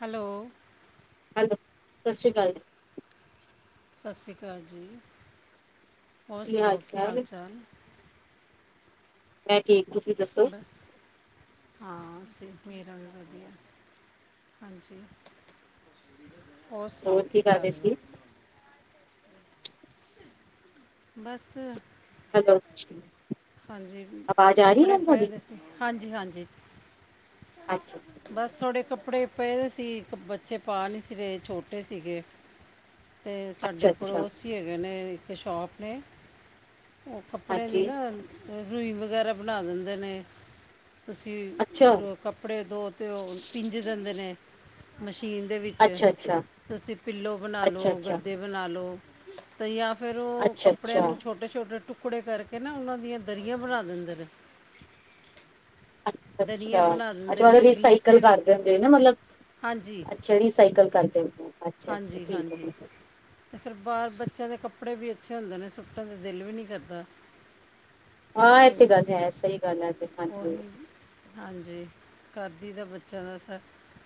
Hello. Hello ਸਤਿ ਸ਼੍ਰੀ ਅਕਾਲ ਜੀ। ਸਤਿ ਸ਼੍ਰੀ ਅਕਾਲ ਜੀ ਹੋਰ ਸੁਣਾਓ ਕੀ ਹਾਲ ਚਾਲ। ਮੈਂ ਠੀਕ। ਤੁਸੀਂ ਦੱਸੋ ਬ ਹਾਂ। ਮੇਰਾ ਵੀ ਵਧੀਆ ਹਾਂਜੀ। ਹੋਰ ਸੁਣਾਓ ਕੀ ਕਰ। [inaudible] [inaudible] ਬਸ। ਹੈਲੋ ਹਾਂਜੀ ਆਵਾਜ਼ ਆ ਰਹੀ ਹੈ ਕੱਪੜੇ ਤੁਹਾਡੀ ਪਏਦੇ ਸੀ ਹਾਂਜੀ ਹਾਂਜੀ। ਅੱਛਾ ਬਸ ਥੋੜੇ ਕੱਪੜੇ। ਪਏਦੇ ਸੀ ਇੱਕ ਬੱਚੇ ਪਾ ਨਹੀਂ ਸੀ ਰ ਛੋਟੇ ਸੀਗੇ। ਅਤੇ ਸਾਡੇ ਅੱਛਾ ਅੱਛਾ ਪੜੋਸ ਹੀ ਹੈਗੇ ਨੇ ਇੱਕ ਸ਼ੋਪ ਨੇ। ਉਹ ਕੱਪੜੇ ਦੀ ਹਾਂਜੀ ਨਾ ਰੂਈ ਵਗੈਰਾ ਬਣਾ ਦਿੰਦੇ ਨੇ। ਅੱਛਾ ਤੁਸੀਂ ਕੱਪੜੇ ਦੋ ਤੇ ਉਹ ਪਿੰਜ ਦਿੰਦੇ ਨੇ ਮਸ਼। ਚੀਨ ਦੇ ਵਿੱਚ ਅੱਛਾ ਅੱਛਾ ਤੁਸੀਂ ਪਿੱਲੋ ਬਣਾ ਅੱਛਾ ਅੱਛਾ ਲਉ ਅੱਛਾ ਗੱਦੇ ਬਣਾ ਲਉ ਤਾਂ ਜਾਂ। ਫੇਰ ਉਹ ਅੱਛਾ ਕੱਪੜਿਆਂ ਨੂੰ ਛੋਟੇ ਛੋਟੇ। ਟ ਟੁਕੜੇ ਕਰਕੇ ਨਾ ਉਹਨਾਂ ਦੀਆਂ ਦਰੀਆਂ ਬਣਾ ਦਿੰਦੇ ਨੇ। ਅੱ ਦਰੀਆਂ ਅੱਛਾ ਬਣਾ ਦਿੰਦੇ ਅੱਛਾਤ ਨੇ ਰੀਸਾਈਕਲ ਗਲੀਚੇ ਵੀ ਕਰਦੇ ਹੁੰਦੇ ਨਾ ਮਤਲਬ। ਹਾਂਜੀ ਅੱਛਾ ਰੀਿਸਾਈਕਲ ਕਰਦੇ ਹਾਂਜੀ ਹਾਂਜੀ ਤੇ ਫਿਰ ਬਾਹਰ ਬੱਚਿਆਂ ਦੇ ਕੱਪੜੇ ਵੀ ਅੱਛੇ ਹੁੰਦੇ ਨੇ ਸੁੱਟਣ ਦਾ ਦਿਲ ਵੀ ਨਹੀਂੀ ਕਰਦਾ ਹਾਂ ਇਹ ਤੇ ਗੱਲ ਹੈ ਸਹੀ ਗੱਲ ਹੈ ਤੇ ਉਹੀ ਹਾਂਜੀ ਕਰਦੀ ਤਾਂ ਬੱਚਿਆਂ ਦਾ ਸਰ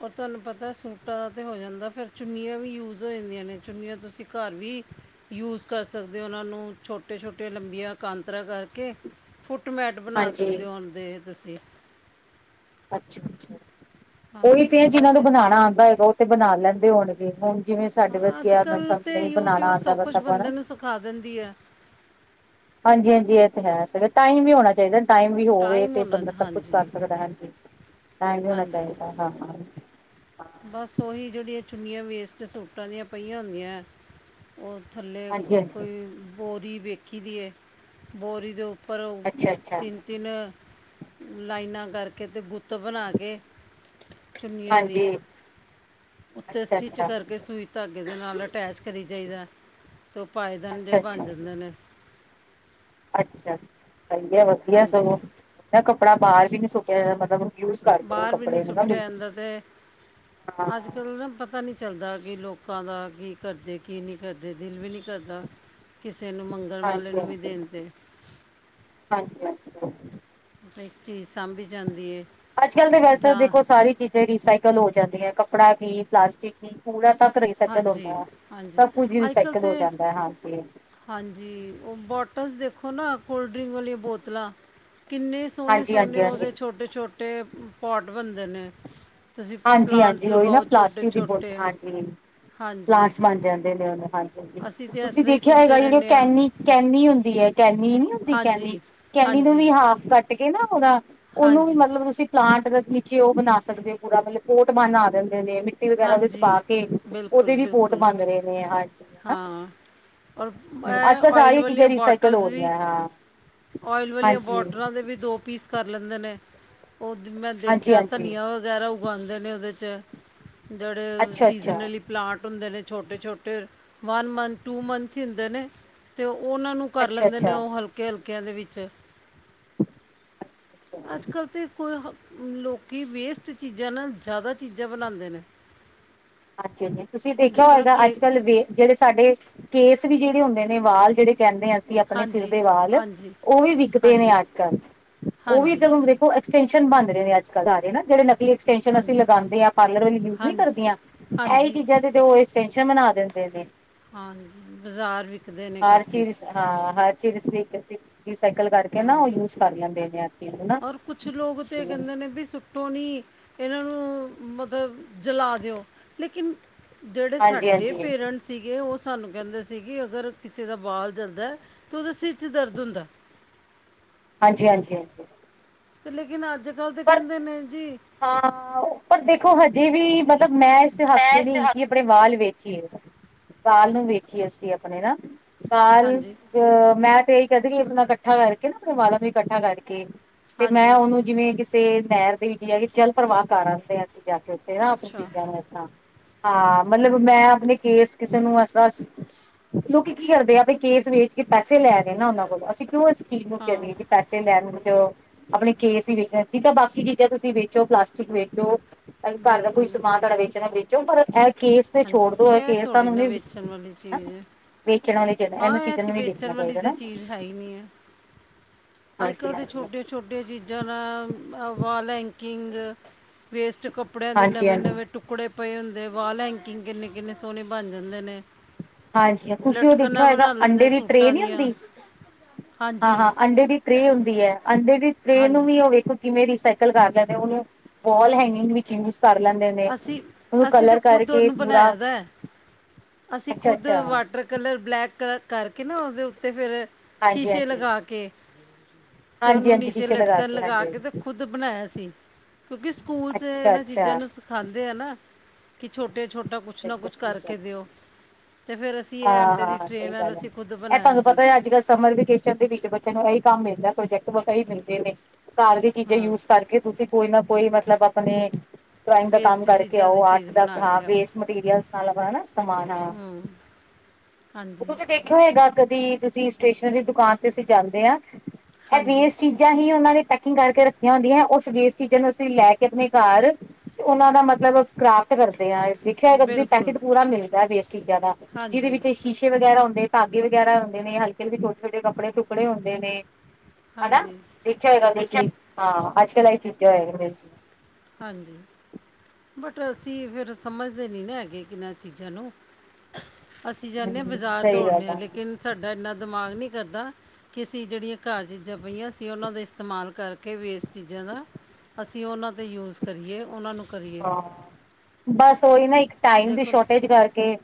ਔਰ ਤੁਹਾਨੂੰ ਪਤਾ ਸੂਟਾਂ ਦਾ ਤਾਂ ਹੋ ਜਾਂਦਾ ਫਿਰ ਚੁੰਨੀਆਂ ਵੀ ਯੂਜ਼ ਹੋ ਜਾਂਦੀਆਂ ਨੇ ਚੁੰਨੀਆਂ ਤੁਸੀਂ ਘਰ ਵੀ ਯੂਜ਼ ਕਰ ਸਕਦੇ ਹੋ ਉਹਨਾਂ ਨੂੰ ਛੋਟੇ ਛੋਟੀਆਂ ਲੰਬੀਆਂ ਕਾਂਤਰਾ ਘ ਕਿ ਫੁੱਟਮੈਟ ਬਣਾ ਹਾਂਜੀ ਸਕਦੇ ਹੋ ਹ ਦੇ ਤੁਸੀਂ ਅੱ ਅੱ ਹਾਂ ਉਹੀ ਤੇ ਜਿਹਨਾਂ ਬਸ ਨੂੰ ਬਣਾਉਣਾ ਆਉਂਦਾ ਹੈਗਾ ਉਹ ਤੇ ਬਣਾ ਲੈਂਦਾ ਹੋਣਗੇ ਹੁਣ ਜਿਵੇਂ ਸਾਡੇ ਹਾਂ ਅੱਜ ਬੱਚਿਆਂ ਕੱਲ ਤੇ ਨਹੀਂ ਬਣਾਉਣਾ ਆਉਂਦਾ ਸਭ ਕੁਝ ਬਤਾ ਬੰਦੇ ਆਪਣਾ ਨੂੰ ਸਿਖਾ ਦਿੰਦੀ ਹੈ ਹਾਂਜੀ ਹਾਂਜੀ ਇਹ ਤੇ ਹੈ ਸ ਟਾਈਮ ਵੀ ਹੋਣਾ ਚਾਹੀਦਾ ਟਾਈਮ ਵੀ ਹੋਵੇ ਟਾਈਮ ਤੇ ਹੋਣਾ ਬੰਦਾ ਸਭ ਕੁਛ ਕਰ ਹਾਂਜੀ ਸਕਦਾ ਹਜੀ ਟਮ ਹੋਣਾ ਹਾਂਜੀ ਚਾਹੀਦਾ ਹ ਬਸ ਉਹੀ ਜਿਹੜੀਆਂ ਚੁੰਨੀਆਂ ਵੇਸਟ ਸੂਟਾਂ ਦੀਆਂ ਪਈਆਂ ਹੁੰਦੀਆਂ ਹੈ ਉਹ ਥੱਲੇ ਹਾਂਜੀ ਹਾਂਜੀ ਕੋਈ ਬੋਰੀ ਵੇਖੀ ਦੀ ਹੈ ਬੋਰੀ ਦੇ ਉੱਪਰ ਪਰੋ ਅੱਛਾ ਅੱਛਾ ਤਨਤੀਨ ਲਾਈਨਾਂ ਕਰਕੇ ਤੇ ਬੁੱਤ ਬਣਾ ਕੇ ਚੁੰਨੀਆਂ ਦੀ ਹਾਂਜੀ ਉੱਤੇ ਅੱਛਾ ਸਟਿੱਚ ਅੱਛਾ ਕਰਕੇ ਸੂਈ ਧਾਗੇ ਦੇ ਨਾਲ ਅਟੈਚ ਕਰੀ ਜਾਈਦਾ ਤ ਉਹ ਪਾਏਦੇਨ ਜੇ ਅੱਛਾ ਬਣ ਜਾਂਦੇ ਨੇ ਅੱਛਾੱ ਸਹੀ ਹੈ ਵਧੀਆ ਹਾਂਜੀ ਸਗੋਂ ਨਾ ਕੱਪੜਾ ਬਾਹਰ ਵੀ ਨੀ ਸੁੱਕਿਆ ਮਤਲਬ ਯੂਜ ਕਰਦੇ ਬਾਹਰ ਵੀ ਨੀ ਕੱਪੜੇ ਨੂੰ ਨਾ ਸੁੱਟਿਆ ਮਿਲ ਜਾਂਦਾ ਤੇ ਹਾਂ ਅੱਜ ਕੱਲ ਨਾ ਪਤਾ ਨੀ ਚੱਲਦਾ ਕਿ ਲੋਕਾਂ ਦਾ ਕੀ ਕਰਦੇ ਕੀ ਨਹੀਂ ਕਰਦੇ ਦਿਲ ਵੀ ਨਹੀਂ ਕਿਸੇ ਨੂੰ ਮੰਗਣ ਵਾਲੇ ਹਾਂਜੀ ਨੂੰ ਵੀ ਹਾਂਜੀ ਦੇਣਦੇ ਹਮ। ਪੈਂਤੀਸ ਅੱਜ ਕੱਲ ਤਾਂ ਵੈਸੇ ਜਾਂ ਦੇਖੋ ਸਾਰੀ ਚੀਜ਼ਾਂ ਹੀ ਸਾਈਕਲ ਹੋ ਜਾਂਦੀ ਹੈ ਕੱਪੜਾ ਵੀ, ਪਲਾਸਟਿਕ ਵੀ ਪੂਰਾ ਰੀਸਾਈਕਲ ਹਾਂਜੀ ਹੁੰਦਾ ਹੈ ਹਾਂਜੀ ਸਭ ਕੁਝ ਹੀ ਅੱਜ ਕੱਲ੍ਹ ਰੀਸਾਈਕਲ ਹੋ ਤੇ ਜਾਂਦਾ ਹਾਂਜੀ ਹਾਂਜੀ ਉਹ ਬੋਟਸ ਦੇਖੋ ਨਾ ਕੋਲਡ ਡਰਿੰਕ ਵਾਲੀਆਂ ਬੋਤਲਾਂ ਕਿੰਨੇ ਸੋਹਣੇ ਹਾਂਜੀ ਸੋਹਣੇ ਹਾਂਜੀ ਹਾਂਜੀ ਉਹਦੇ ਛੋਟੇ ਛੋਟੇ ਛੋਟੇ ਪੋਟ ਬਣਦੇ ਨੇ ਤੁਸੀਂ ਹਾਂਜੀ ਪਲਾਂਟਸ ਹਾਂਜੀ ਉਹੀ ਨਾ ਲਗਾਓ ਛੋਟੇ ਪਲਾਸਟਿਕ ਦੀ ਬੋ ਛੋਟੇ ਹਾਂਜੀ ਹਾਂਜੀ ਪਲਾਂਟਸ ਬਣ ਜਾਂਦੇ ਨੇ ਉਹਨੇ ਹਾਂਜੀ ਹਾਂਜੀ ਅਸੀਂ ਤੇ ਇਸ ਤੁਸੀਂ ਤਰ੍ਹਾਂ ਹੀ ਦੇਖਿਆ ਸੁੱਟਦੇ ਹੈਗਾ ਜਿਹੜੀ ਉਹ ਰਹਿੰਦੇ ਆ ਕੈਨੀ ਕੈਨੀ ਹੁੰਦੀ ਹੈ ਕੈਨੀ ਨੀ ਹੁੰਦੀ ਕੈਨੀ ਹਾਂਜੀ ਕੈਨੀ ਨੂੰ ਹਾਂਜੀ ਵੀ ਹਾਫ ਕੱਟ ਕੇ ਨਾ ਉਹਦਾ ਉਹਨੂੰ ਵੀ ਹਾਂਜੀ ਮਤਲਬ ਤੁਸੀਂ ਪਲਾਂਟ ਨੀਚੇ ਉਹ ਬਣਾ ਸਕਦੇ ਹੋ ਪੂਰਾ ਮਤਲਬ ਕੋਟ ਬਣ ਦਿੰ ਨੇ ਮਿੱਟੀ ਵਗੈਰਾ ਉਹਦੇ ਚ ਹਾਂਜੀ ਪਾ ਕੇ ਬਿਲਕੁਲ ਉਹਦੇ ਵੀ ਪੋਟ ਬਿਲਕੁਲ ਬੰਨ ਰਹੇ ਨੇ ਹਾਂਜੀ ਹਨਾ ਹਾਂ ਔਰ ਅੱਜ ਇਹ ਕੱਲ੍ਹ ਓਇਲ ਸਾਰੀਆਂ ਚੀਜ਼ਾਂ ਵਾਲੀਆਂ ਰੀਸਾਈਕਲ ਬੋਟਲਸ ਹੋ ਰਹੀਆਂ ਵੀ ਹਾਂ ਓਇਲ ਵਾਲੀਆਂ ਹਾਂਜੀ ਬੋਟਲਾਂ ਦੇ ਦੋ ਪੀ ਪੀਸ ਕਰ ਲੈਂਦੇ ਨੇ ਉਹ ਮੈਂ ਹਾਂਜੀ ਦੇਖਿਆ ਹਾਂਜੀ ਧਨੀਆ ਵਗੈਰਾ ਉਗਉਂਦੇ ਨੇ ਉਹਦੇ 'ਚ ਜਿਹੜੇ ਅੱਛਾ ਅੱਛਾ ਸੀਜ਼ਨਲੀ ਪਲਾਂਟ ਹੁੰਦੇ ਨੇ ਛੋਟੇ ਛੋਟੇ ਵਨ ਮੰਥ ਟੂ ਮੰਥ ਹੀ ਹੁੰਦੇ ਨੇ ਤੇ ਉਹਨਾਂ ਨੂੰ ਕਰ ਅੱਛਾ ਲੈਂਦੇ ਅੱਛਾ ਨੇ ਉਹ ਹਲਕੇ ਹਲਕੇ ਿਆਂ ਦੇ ਵਿੱਚ ਅੱਜ ਕੱਲ੍ਹ ਤਾਂ ਕੋਈ ਲੋਕੀਂ ਵੇਸਟ ਚੀਜ਼ਾਂ ਨਾਲ ਜ਼ਿਆਦਾ ਚੀਜ਼ਾਂ ਬਣਾਉਂਦੇ ਨੇ ਹਾਂਜੀ ਤੁਸੀਂ ਦੇਖਿਆ ਦੇਖੋ ਨਾ ਹੋਏਗਾ ਅੱਜ ਕੇਕ ਕੱਲ੍ਹ ਵੇ ਜਿਹੜੇ ਸਾਡੇ ਕੇਸ ਵੀ ਜਿਹੜੇ ਹੁੰਦੇ ਨੇ ਵਾਲ ਜਿਹੜੇ ਕਹਿੰਦੇ ਆ ਅ ਆਪਣੇ ਸਿਰ ਹਾਂਜੀ ਦੇ ਵਾਲ ਹਾਂਜੀ ਉਹ ਵੀ ਵਿਕਦੇ ਨੇ ਹਾਂਜੀ ਅੱਜ ਕੱਲ੍ਹ ਉਹ ਵੀ ਹਾਂਜੀ ਤਾਂ ਦੇਖੋ ਐਕਸਟੈਨਸ਼ਨ ਬਣ ਰਹੇ ਨੇ ਅੱਜਕਲ ਸਾਰੇ ਨਾ ਜਿਹੜੇ ਨਕਲੀ ਐਕਸਟੈਨਸ਼ਨ ਅਸੀਂ ਹਾਂਜੀ ਲਗਾਉਦੇ ਆਂ ਪਾਰਲਰ ਵਾਲੀਆਂ ਯੂਜ ਨਹੀਂ ਹਾਂਜੀ ਕਰਦੀਆਂ ਇਹੀ ਹਾਂਜੀ ਚੀਜ਼ਾਂ ਤੇ ਤੇ ਉਹ ਐਕਸਟੈਨਸ਼ਨ ਬਨਾ ਦਿੰਦੇ ਨੇ ਹਾਂਜੀ ਬਜ਼ਾਰ ਵਿਕਦੇ ਨੇ ਹਰ ਕਾਫੀ ਚੀਜ਼ ਹਾਂ ਹਰ ਰੀਸਾਈਕਲ ਕਰਕੇ ਹਾਂ ਨਾ ਉਹ ਯੂਜ ਕਰ ਲੈਂਦੇ ਨੇ ਚੀਜ਼ ਨੂੰ ਨਾ ਔਰ ਕੁਛ ਲੋਕ ਤੇ ਕਹਿੰਦੇ ਨੇ ਵੀ ਸੁ ਟੋਣੀ ਇਹਨਾਂ ਨੂੰ ਮਤਲਬ ਜਲਾ ਦਿਓ ਲੇਕਿਨ ਜਿਹੜੇ ਹਾਂਜੀ ਸਾਡੇ ਹਾਂਜੀ ਪੇਰੈਂਟਸ ਸੀਗੇ ਓ ਸਾਨੂੰ ਕਹਿੰਦੇ ਸੀ ਕਿ ਅਗਰ ਕਿਸੇ ਦਾ ਬਾਲ ਜਲਦਾ ਤਾਂ ਉਹਦੇ ਸਿਰ ਚ ਦਰਦ ਹੁੰਦਾ। [inaudible] ਹਾਂਜੀ-ਹਾਂਜੀ ਹਾਂਜੀ, ਤੇ ਲੇਕਿਨ ਅੱਜ ਕੱਲ੍ਹ ਤੇ ਪਰ ਕਹਿੰਦੇ ਨੇ ਜੀ ਹਾਂ ਪਰ ਦੇਖੋ ਹਜੇ ਵੀ ਬਸ ਮਤਲਬ ਮੈਂ ਇਸ ਹੱਕ ਮੈਂ ਚ ਇਸ ਨਹੀਂ ਹੈਗੀ ਕਿ ਆਪਣੇ ਵਾਲ ਵੇਖ ਵਾਲ ਨੂੰ ਵੇਚੀਏ ਅਸੀਂ ਆਪਣੇ ਨਾ ਵਾਲ ਹਾਂਜੀ ਅ ਮੈਂ ਸਈ ਕਹਿੰਦੇ ਕੀ ਆਪਣਾ ਇਕੱਠਾ ਕਰਕੇ ਨਾ ਆਪਣੇ ਵਾਲਾਂ ਨੂੰ ਇਕੱਠਾ ਕਰਕੇ ਤੇ ਮੈਂ ਹਾਂਜੀ ਉਹਨੂੰ ਜਿਵੇਂ ਕਿਸ ਤੇ ਨਹਿਰ ਦੇ ਵਿੱਚ ਜਾ ਕੇ ਜਲ ਪ੍ਰਵਾਹ ਆਂਦੇ ਆ ਅਸੀਂ ਜਾ ਕੇ ਉੱਥੇ ਨਾ ਆਪਣੀ ਅੱਛਾ ਚੀਜ਼ਾਂ ਨੂੰ ਇਸ ਤਰ੍ਹਾਂ ਹਾਂ, ਮਤਲਬ ਮੈਂ ਆਪਣੇ ਕੇਸ ਕਿਸੇ ਨੂੰ ਏਸ ਤਰ੍ਹਾਂ ਲੋਕੀ ਕੀ ਕਰਦੇ ਆ ਕੇਸ ਵੇਚ ਕੇ ਪੈਸੇ ਲੈ ਰਹੇ ਨਾ ਉਹਨਾਂ ਕੋਲੋਂ ਅਸੀਂ ਕਿਉਂ ਚੀਜ਼ ਨੂੰ ਕਹਿ ਹਾਂ ਦਈਏ ਪੈਸੇ ਲੈਣ ਵਿੱਚ ਆਪਣੇ ਕੇਸ ਹੀ ਵੇਚ ਠੀਕ ਆ, ਬਾਕੀ ਚੀਜ਼ਾਂ ਤੁਸੀਂ ਵੇਚੋ ਪਲਾਸਟਿਕ ਵੇਚੋ ਅ ਘਰ ਦਾ ਕੋਈ ਬਿਲਕੁਲ ਸਮਾਨ ਤੁਹਾਡਾ ਵੇਚਣਾ ਚ ਪਰ ਇਹ ਕੇਸ ਤੇ ਛੋੜ ਦੋ ਹਾਂਜੀ ਇਹ ਕੇਸਾਂ ਥੋੜੀ ਨੂੰ ਨਾ ਵੇਚਣ ਵਾਲੀ ਚੀਜ਼ ਹੈ ਵੇਚਣ ਆਲੇ, ਹਾਂ, ਇਹ ਚ ਨੀ ਵੇਚਣ ਵੇਚਣਾ ਵਾਲੀ ਚਾਹੀਦਾ ਤਾਂ ਚੀਜ਼ ਹੈ ਹੀ ਨਹੀਂ ਐ। ਅੱਜ ਹਾਂਜੀ ਕੱਲ੍ਹ ਦੇ ਹਾਂਜੀ ਛੋਟੀਆਂ ਛੋਟੀਆਂ ਚੀਜ਼ਾਂ ਨਾਲ ਵਾਲ ਐਂਕਿੰਗ, ਵੇਸਟ ਕੱਪੜਿਆਂ ਦੇ ਹਾਂਜੀ ਨਵੇਂ ਹਾਂਜੀ ਨਵੇਂ ਟੁਕੜੇ ਪਏ ਹੁੰਦੇ ਵਾਲ ਐਂਕਿੰਗ ਕਿੰਨੇ-ਕਿੰਨੇ ਸੋਹਣੇ ਬਣ ਜਾਂਦੇ ਨੇ। ਹਾਂਜੀ, ਤੁਸੀਂ ਉਹ ਦੇਖਿਆ ਲਟਕਣਾ ਹੋਏਗਾ ਬਣਾ ਅੰਡੇ ਲੈਂਦੇ ਦੀ ਟਰੇਅ ਸੂਟਾਂ ਨੀ ਦੀਆਂ ਹੁੰਦੀ। ਹਾਂਜੀ ਹਾਂ-ਹਾਂ, ਅੰਡੇ ਦੀ ਟਰੇਅ ਹੁੰਦੀ ਆ ਅੰਡੇ ਦੀ ਟਰੇਅ ਨੂੰ ਹਾਂਜੀ ਵੀ ਉਹ ਵੇਖੋ ਕਿਵੇਂ ਰੀਸਾਈਕਲ ਕਰ ਲੈਂਦੇ ਉਹਨੂੰ ਵਾਲ ਹੈਂਗਿੰਗ ਵੀ ਕਿਵੇਂ ਕਰ ਲੈਂਦੇ ਨੇ ਅਸੀਂ ਉਹਨੂੰ ਅਸੀਂ ਤਾਂ ਕਲਰ ਖੁਦ ਕਰਕੇ ਉਹਨੂੰ ਪੂਰਾ। ਬਣਾਇਆ ਦਾ ਹੈ। ਅਸੀਂ ਖੁਦ ਅੱਛਾ-ਅੱਛਾ ਵਾਟਰ ਕਲਰ ਬਲੈਕ ਕ ਕਰਕੇ ਨਾ ਉਹਦੇ ਉੱਤੇ ਫੇਰ ਸ਼ੀਸ਼ੇ ਹਾਂਜੀ-ਹਾਂਜੀ, ਲਗਾ ਕੇ। ਤੇ ਉਹਨੂੰ ਹਾਂਜੀ-ਹਾਂਜੀ ਨੀਚੇ ਸ਼ੀਸ਼ੇ ਲਟਕਣ ਲਗਾ ਹਾਂਜੀ ਕੇ ਤੇ ਖੁਦ ਬਣਾਇਆ ਸੀ। ਕਿਉਂਕਿ ਸਕੂਲ ਚ ਇਹਨਾਂ ਅੱਛਾ-ਅੱਛਾ, ਚੀਜ਼ਾਂ ਨੂੰ ਸਿਖਾਂਦੇ ਆ ਨਾ। ਕਿ ਛੋਟੇ ਛੋਟਾ ਕੁਛ ਨਾ ਕੁਛ ਕਰਕੇ ਦਿਓ ਤੇ ਫਿਰ ਅਸੀਂ ਇਹ ਅੰਡੇ ਦੀ ਹਾਂ-ਹਾਂ, ਟ੍ਰੇ ਸਹੀ ਨਾਲ ਗੱਲ ਐ ਅਸੀਂ ਖੁਦ ਇਹ ਬਣਾਇਆ ਤੁਹਾਨੂੰ ਸੀ ਪਤਾ ਅੱਜ ਕੱਲ੍ਹ ਸਮਰ ਵੀਕੇਸ਼ਨ ਦੇ ਵਿੱਚ ਬੱਚਿਆਂ ਨੂੰ ਇਹ ਕੰਮ ਇਦਾ। ਪ੍ਰੋਜੈਕਟ ਮਸਾ ਹੀ ਮਿਲਦੇ ਨੇ ਘਰ ਦੀ ਚੀਜ਼ਾਂ ਹਾਂ ਯੂਜ ਕਰਕੇ ਤੁਸੀਂ ਕੋਈ ਨਾ ਕੋਈ ਮਤਲਬ ਆਪਣੇ। ਡਰਾਇੰਗ ਦਾ ਕੰਮ ਵੇਸਟ ਕਰਕੇ ਚੀਜ਼ਾਂ ਆਓ ਦੀ ਆਰਟ ਚੀਜ਼ ਦਾ ਬਣਾ ਕੇ ਹਾਂ, ਲਿਆਓ ਵੇਸਟ ਮਟੀਰੀਅਲ ਨਾਲ ਨਾ ਸਮਾਨ ਆ। ਹੂੰ ਹਾਂਜੀ ਤੁਸੀਂ ਦੇਖਿਓ ਹੈਗਾ। ਕਦੀ ਤੁਸੀਂ ਸਟੇਸ਼ਨਰੀ ਦੁਕਾਨ ਤੇ ਅਸੀਂ ਜਾਂਦੇ ਆ ਇਹ ਹਾਂਜੀ ਵੇਸਟ ਚੀਜ਼ਾਂ ਹੀ ਉਹਨਾਂ ਨੇ ਪੈਕਿੰਗ ਕਰਕੇ ਰੱਖੀਆਂ ਹੁੰਦੀਆਂ। ਉਹ ਸਦੇਸ਼ ਕਿਚਨ ਅਸੀਂ ਲੈ ਕੇ ਆਪਣੇ ਘਰ ਤੇ ਉਹਨਾਂ ਦਾ ਮਤਲਬ ਕਰਾਫਟ ਕਰਦੇ। ਦੇਖਿਆ ਹੈਗਾ ਤੁਸੀਂ ਬਿਲਕੁਲ ਪੈਕੇਟ ਪੂਰਾ ਮਿਲਦਾ ਵੇਸਟ ਚੀਜ਼ਾਂ ਦਾ ਜਿਹਦੇ ਹਾਂਜੀ ਵਿੱਚ ਸ਼ੀਸ਼ੇ ਵਗੈਰਾ ਹੁੰਦੇ ਧਾਗੇ ਵਗੈਰਾ ਹੁੰਦੇ ਨੇ ਹਲਕੇ ਦੇ ਛੋਟ-ਛੋਟੇ ਕੱਪੜੇ ਟੁਕੜੇ ਹੁੰਦੇ ਨੇ। ਹਨਾ ਹਾਂਜੀ ਦੇਖਿਆ ਹੋਏਗਾ ਦੇਖਿਆ ਤੁਸੀਂ ਹਾਂ। ਅੱਜ ਕੱਲ ਇਹੀ ਚੀਜ਼ਾਂ ਹੈਗੀਆਂ ਹਾਂਜੀ। ਬਟ ਅਸੀਂ ਫੇਰ ਸਮਝਦੇ ਨਹੀਂ ਨਾ ਹੈਗੇ ਏਨਾ ਚੀਜ਼ਾਂ ਨੂੰ। ਅਸੀਂ ਜਾਣੇ ਆ ਹੂੰ ਬਾਜ਼ਾਰ ਸਹੀ ਦੌੜਨ ਗੱਲ ਆ ਲੇਕਿਨ ਸਾਡਾ ਇੰਨਾ ਦਿਮਾਗ ਨਹੀਂ ਕਰਦਾ ਕਿ ਅਸੀਂ ਜਿਹੜੀਆਂ ਘਰ ਚੀਜ਼ਾਂ ਪਈਆਂ ਸੀ ਉਹਨਾਂ ਦਾ ਇਸਤੇਮਾਲ ਕਰਕੇ ਵੇਸਟ ਚੀਜ਼ਾਂ ਅਸੀਂ ਉਹਨਾਂ ਤੇ ਯੂਜ਼ ਕਰੀਏ ਉਹਨਾਂ ਨੂੰ। ਕਰੀਏ ਹਾਂ, ਬਸ ਓਹੀ ਨਾ ਇੱਕ ਟਾਈਮ ਦੀ ਦੇਖੋ ਸ਼ੋਰਟੇਜ ਕਰਕਏ।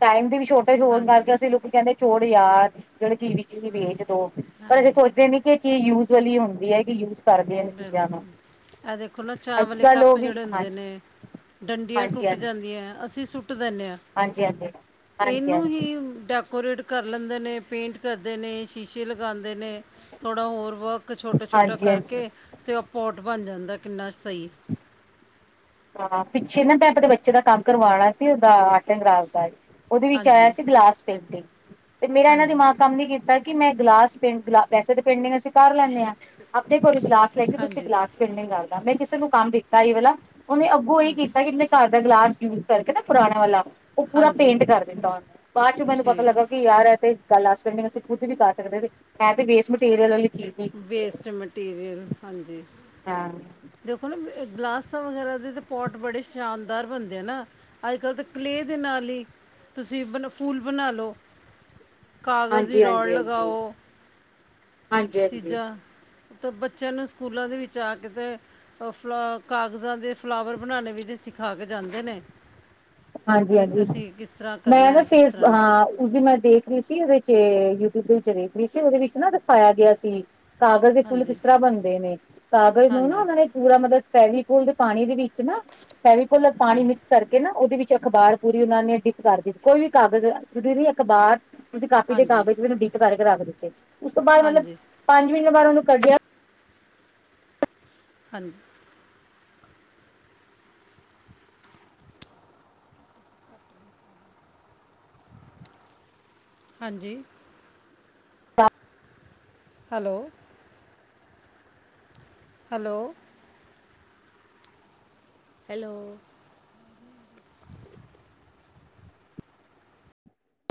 ਟਾਈਮ ਦੀ ਛੋਟੇ ਹੋਣ ਹਾਂਜੀ ਕਰਕੇ ਅਸੀਂ ਲੋਕੀ ਕਹਿੰਦੇ ਛੋੜ ਯਾਰ ਜਿਹੜੀ ਚੀਜ਼ ਵਿਕੇਗੀ ਵੇਚ ਦੋ ਪਰ ਅਸੀਂ ਹਾਂਜੀ ਸੋਚਦੇ ਨੀ ਕਿ ਇਹ ਚੀਜ਼ ਯੂਜ ਵਾਲੀ ਹੁੰਦੀ ਆ ਕੀ ਯੂਜ਼ ਬਿਲਕੁਲ ਇਹ ਦੇਖੋ ਨਾ ਚਾਹ ਅੱਜ ਵਾਲੇ ਕੱਲ੍ਹ ਉਹ ਕੱਪ ਵੀ ਜਿਹੜੇ ਹੁੰ ਹਾਂਜੀ ਨੇ ਡੰਡੀਆਂ ਹਾਂਜੀ ਟੁੱਟ ਹਾਂਜੀ ਜਾਂਦੀਆਂ, ਅਸੀਂ ਸੁੱਟ ਕੁੱਟ ਦਿੰਦੇ ਆ। ਹਾਂਜੀ ਹਾਂਜੀ ਹਾਂਜੀ ਇਹਨੂੰ ਹਾਂਜੀ ਹੀ ਡਾ ਡਕੋਰੇਟ ਕਰ ਲੈਂਦੇ ਨੇ, ਪੇਂਟ ਕਰਦੇ ਨੇ ਸ਼ੀਸ਼ੇ ਲਗਾਉਂਦੇ ਨੇ, ਥੋੜ੍ਹਾ ਹੋਰ ਵਰਕ ਕ ਛੋਟਾ-ਛੋਟਾ ਹਾਂਜੀ ਹਾਂਜੀ ਕਰਕੇ, ਫਿਰ ਉਹ ਪੋਟ ਬਣ ਜਾਂਦਾ ਕਿੰਨਾ ਸਹੀ। ਹਾਂ, ਪਿੱਛੇ ਨਾ ਮੈਂ ਆਪਣੇ ਬੱਚੇ ਦਾ ਕੰਮ ਕਰਵਾਉਣਾ ਸੀ ਦਾ ਆਰਟਡ ਕਰਾਫਟ ਦਾ ਉਹਦੇ ਵਿੱਚ ਆਇਆ ਹਾਂਜੀ ਸੀ ਗਲਾਸ ਪੇਂਟਿੰਗ ਤੇ ਮੇਰਾ ਇਹਨਾਂ ਹਾਂਜੀ ਦਿਮਾਗ ਕੰਮ ਨੀ ਕੀਤਾ ਕਿ ਮੈਂ ਗਲਾਸ ਪ ਵੈਸੇ ਤੇ ਪੇਟਿੰਗ ਸੀ ਕਰ ਲੈਦੇ ਹਾਂ। ਆਪਣੇ ਕੋਲ ਗਲਾਸ ਲੈ ਕੇ ਓਹਦੇ ਉਤੇ ਹਾਂਜੀ ਗਿਲਾਸ ਪੇਟਿੰਗ ਕਰਦਾ, ਮੈਂ ਕਿਸੇ ਨੂੰ ਕੰਮ ਦਿੱਤਾ ਇਹ ਵਾਲਾ ਉਹਨੇ ਅੱਗੋਂ ਇਹੀ ਕੀਤਾ ਕਿ ਆਪਣੇ ਘਰ ਦਾ ਗਲਾਸ ਯੂਜ ਕਰਕੇ ਨਾ ਪੁਰਾਣੇ ਵਾਲਾ ਉਹ ਪੂਰਾ ਹਾਂਜੀ ਪੇਂਟ ਕਰ ਦਿੱਤਾ ਉਹਨੇ ਬਾਅਦ' ਚ ਮੈਨੂੰ ਪਤਾ ਲੱਗਾ ਠੀਕ ਕਿ ਯਾਰ ਹੈ ਤੇ ਗੱਲਾਸ ਪੈਂਟਿੰਗ ਅਸੀਂ ਖੁਦ ਵੀ ਕਰ ਸਕਦੇ ਸੀ। ਮੈ ਤੇ ਵੇਸਟ ਮਟੀਰੀਅਲ ਅਲੀ ਵੇਸਟ ਮਟੀਰੀਅਲ, ਹਾਂਜੀ। ਹਾਂ। ਦੇਖੋ ਨਾ ਗਲਾਸਾਂ ਵਗੈਰਾ ਦੇ ਤਾਂ ਪੋਟ ਬੜੇ ਸ਼ਾਨਦਾਰ ਬਣਦੇ ਆ ਨਾ ਅੱਜ- ਕੱਲ੍ਹ ਤਾਂ ਕਲੇ ਦੇ ਨਾਲ ਹੀ ਤੁਸੀਂ ਬ ਫੁੱਲ ਬਣਾ ਲਓ ਕਾਗਜ਼ ਦੀ ਹਾਂਜੀ ਰੌਲ ਹਾਂਜੀ ਹਾਂਜੀ ਲਗਾਓ। ਹਾਂਜੀ ਚੀਜ਼ਾਂ ਤਾਂ ਬੱਚਿਆਂ ਨੂੰ ਸਕੂਲਾਂ ਦੇ ਵਿੱਚ ਆ ਕੇ ਅਤੇ ਫਲਾ ਕਾਗਜ਼ਾਂ ਦੇ ਫਲਾਵਰ ਬਣਾਉਣੇ ਵੀ ਤੇ ਸਿਖਾ ਕੇ ਜਾਂਦੇ ਨੇ। ਕਿ ਹਾਂਜੀ-ਹਾਂਜੀ, ਤੁਸੀਂ ਕਿਸ ਤਰ੍ਹਾਂ ਮੈਂ ਕਰਨਾ ਨਾ ਹੈ ਕਿਸ ਫੇਸ ਤਰ੍ਹਾਂ ਨਹੀਂ ਹਾਂ ਉਸਦੀ ਮੈਂ ਦੇਖ ਰਹੀ ਸੀ ਉਹਦੇ ਚ ਯੂਟਿਊਬ ਦੇ ਵਿੱਚ ਦੇਖ ਰਹੀ ਸੀ ਉਹਦੇ ਵਿੱਚ ਨਾ ਦਿਖਾਇਆ ਗਿਆ ਸੀ। ਕਾਗਜ਼ ਦੇ ਫੁੱਲ ਕਿਸ ਹਾਂਜੀ ਤਰ੍ਹਾਂ ਬਣਦੇ ਨੇ, ਕਾਗਜ਼ ਨੂੰ ਨਾ ਹਾਂਜੀ ਉਹਨਾਂ ਨੇ ਪੂਰਾ ਮਤਲਬ ਫੈਵਕੋਲ ਦੇ ਪਾਣੀ ਦੇ ਵਿੱਚ ਨਾ ਫੈਵਕੋਲਰ ਹਾਂ- ਪਾਣੀ ਮਿਕਸ ਕਰਕੇ ਨਾ। ਉਹਦੇ ਵਿੱਚ ਅਖ਼ਬਾਰ ਪੂਰੀ ਉਹਨਾਂ ਨੇ ਡਿੱਟ ਕਰ ਦਿੱਤੀ ਕੋਈ ਵੀ ਕਾਗਜ਼ ਜ਼ਰੂਰੀ ਨਹੀਂ ਅਖਬਾਰ ਤੁਸੀਂ ਕਾਪੀ ਦੇ ਹਾਂਜੀ ਕਾਗਜ਼ ਵੀ ਐਡਿਟ ਕਰਕੇ ਰੱਖ ਦਿੱਤੇ ਉਸ ਤੋਂ ਬਾਅਦ ਮਤਲਬ ਹਾਂਜੀ ਪੰਜ ਮਹੀਨੇ ਬਾਅਦ ਉਹਨੂੰ ਕੱਢਿਆ! ਹਾਂਜੀ। ਹਾਂਜੀ [inaudible] ਹੈਲੋ। ਹੈਲੋ। ਹੈਲੋ!